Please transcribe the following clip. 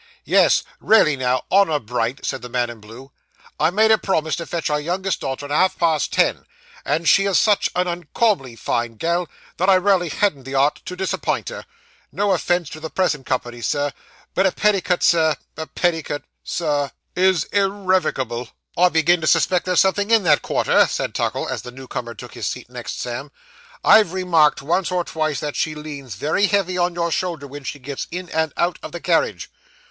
'Yes; raly now, honour bright,' said the man in blue. 'I made a promese to fetch our youngest daughter at half past ten, and she is such an uncauminly fine gal, that I raly hadn't the 'art to disappint her. No offence to the present company, Sir, but a petticut, sir a petticut, Sir, is irrevokeable.' 'I begin to suspect there's something in that quarter,' said Tuckle, as the new comer took his seat next Sam, 'I've remarked, once or twice, that she leans very heavy on your shoulder when she gets in and out of the carriage.